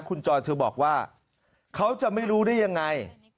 คุณจอยเธอบอกว่าเขาจะไม่รู้ได้ยังไง